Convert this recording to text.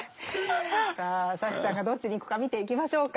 さあサッチャンがどっちに行くか見ていきましょうか。